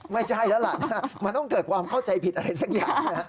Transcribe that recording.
ไม่ใช่แล้วล่ะมันต้องเกิดความเข้าใจผิดอะไรสักอย่าง